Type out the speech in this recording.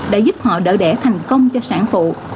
đã giúp họ đỡ đẻ thành công cho sản phụ